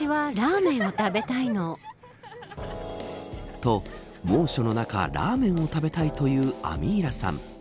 と、猛暑の中ラーメンを食べたいというアミーラさん。